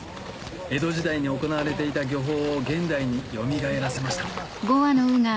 江戸時代に行われていた漁法を現代によみがえらせました